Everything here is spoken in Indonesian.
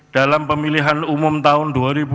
dalam pemilihan umum tahun dua ribu dua puluh